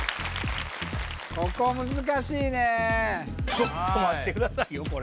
ここ難しいねちょっと待ってくださいよ